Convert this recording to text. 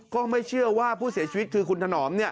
ก็ไม่เชื่อว่าผู้เสียชีวิตคือคุณถนอมเนี่ย